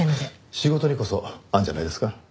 仕事にこそあるんじゃないですか？